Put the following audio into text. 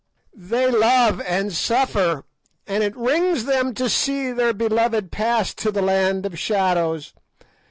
They love and suffer, and it wrings them to see their beloved pass to the land of shadows.